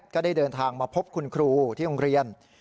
ก็ได้เดินทางมาพบคุณครูที่โรงเรียน